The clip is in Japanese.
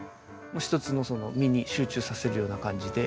もう１つのその実に集中させるような感じで。